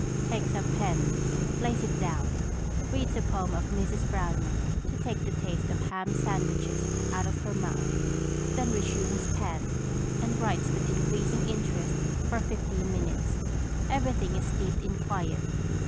[_Takes up pen; lays it down; reads a poem of Mrs. Browning to take the taste of ham sandwiches out of her mouth, then resumes pen, and writes with increasing interest for fifteen minutes. Everything is steeped in quiet.